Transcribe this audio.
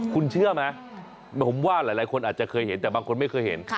คุณเชื่อไหมผมว่าหลายคนอาจจะเคยเห็นแต่บางคนไม่เคยเห็น